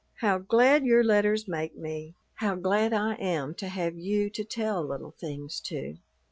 How glad your letters make me; how glad I am to have you to tell little things to.